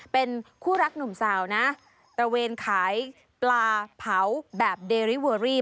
เป็นคู่รักหนุ่มสาวนะตระเวนขายปลาเผาแบบเดริเวอรี่